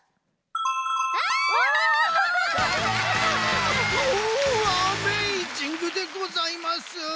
おアメイジングでございます！